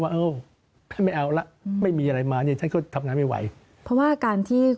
อันที่คืออาการ